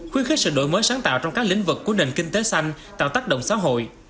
khuyến khích sự đổi mới sáng tạo trong các lĩnh vực của nền kinh tế xanh tạo tác động xã hội